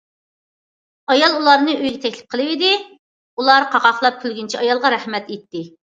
ئايال ئۇلارنى ئۆيگە تەكلىپ قىلىۋىدى، ئۇلار قاقاھلاپ كۈلگىنىچە ئايالغا« رەھمەت» ئېيتتى.